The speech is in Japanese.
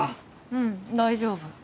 うん大丈夫。